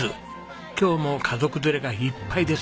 今日も家族連れがいっぱいです。